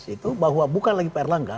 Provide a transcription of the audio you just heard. itu bahwa bukan lagi pak erlangga